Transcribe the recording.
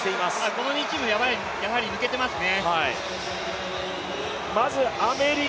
この２チーム、やはり抜けていますね。